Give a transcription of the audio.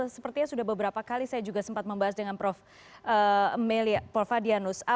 sepertinya sudah beberapa kali saya juga sempat membahas dengan prof meliala prof adrianus